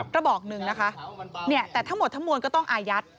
ระบอกหนึ่งนะคะแต่ทั้งหมดทั้งมวลก็ต้องอายัด